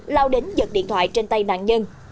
lao đến giật điện thoại trên tay nạn nhân